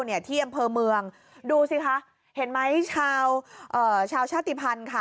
เนี่ยเมืองดูซิค่ะเห็นไหมชาวชาติพันธ์ค่ะ